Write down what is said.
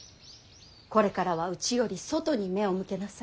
これからは内より外に目を向けなさい。